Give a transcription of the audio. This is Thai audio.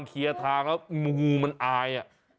เคลียร์ทางแล้วงูมันอาย